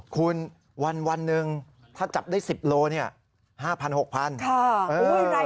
คุณวันหนึ่งถ้าจับได้สิบโลเนี่ยห้าพันหกพันค่ะโอ้ย